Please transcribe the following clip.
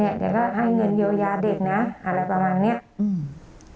เดี๋ยวก็ให้เงินเยียวยาเด็กนะอะไรประมาณเนี้ยอืม